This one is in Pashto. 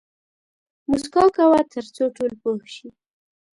موسکا کوه تر څو ټول پوه شي